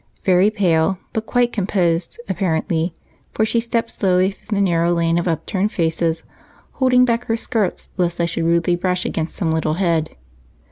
Very pale, but quite composed, apparently, for she stepped slowly through the narrow lane of upturned faces, holding back her skirts lest they should rudely brush against some little head.